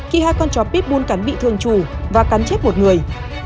khi hai con chó pitbull cắn bị thương chủ và cắn chết một người